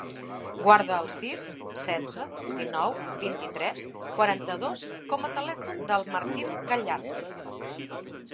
Guarda el sis, setze, dinou, vint-i-tres, quaranta-dos com a telèfon del Martín Gallart.